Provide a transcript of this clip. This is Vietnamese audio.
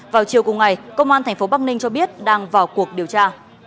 vào chiều cùng ngày công an tp bắc ninh cho biết đang vào cuộc điều tra